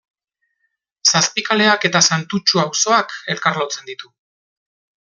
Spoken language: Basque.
Zazpikaleak eta Santutxu auzoak elkarlotzen ditu.